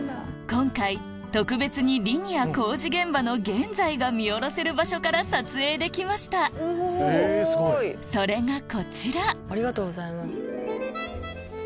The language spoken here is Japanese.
今回特別にリニア工事現場の現在が見下ろせる場所から撮影できましたそれがこちらありがとうございます。